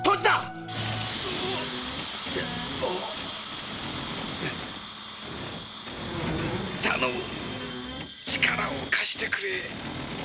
たのむ力を貸してくれ。